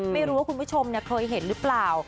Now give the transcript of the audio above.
ไม่รู้ว่าคุณผู้ชมเคยเห็นหรือเปล่า